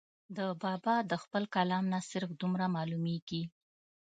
د بابا د خپل کلام نه صرف دومره معلوميږي